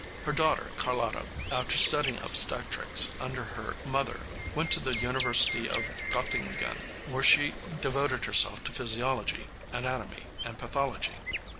Her daughter, Carlotta, after studying obstetrics under her mother, went to the University of Göttingen, where she devoted herself to physiology, anatomy and pathology.